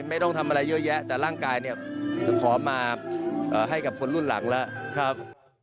ไม่ต้องทำอะไรเยอะแยะแต่ร่างกายเนี่ยจะขอมาให้กับคนรุ่นหลังแล้วครับ